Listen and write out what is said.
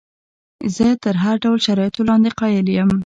زه تر هر ډول شرایطو لاندې قایل یم.